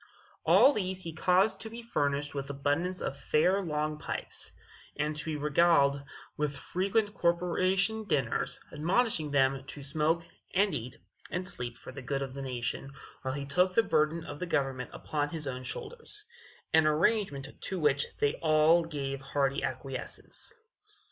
All these he caused to be furnished with abundance of fair long pipes, and to be regaled with frequent corporation dinners, admonishing them to smoke, and eat, and sleep for the good of the nation, while he took the burden of government upon his own shoulders an arrangement to which they all gave hearty acquiescence.